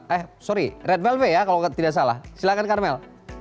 eh sorry red velve ya kalau tidak salah silakan karmel